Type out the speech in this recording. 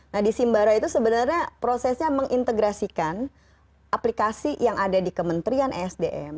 nah di simbara itu sebenarnya prosesnya mengintegrasikan aplikasi yang ada di kementerian esdm